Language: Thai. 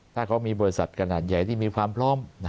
ถ้าเขามีบริษัทขนาดใหญ่ที่มีความพร้อม